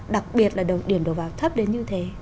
đặc biệt là điểm đầu vào thấp đến như thế